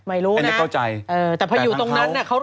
ไม่รู้นะแต่พออยู่ตรงนั้นนะ